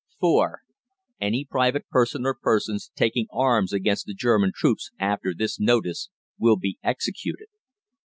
(4) ANY PRIVATE PERSON OR PERSONS taking arms against the German troops after this notice will be EXECUTED.